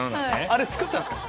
あれ作ったんですか？